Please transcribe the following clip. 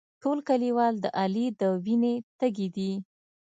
ټول کلیوال د علي د وینې تږي دي.